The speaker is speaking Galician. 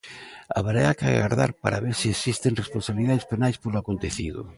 Haberá que agardar para ver se existen responsabilidades penais polo acontecido.